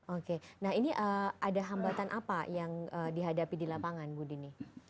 oke nah ini ada hambatan apa yang dihadapi di lapangan bu dini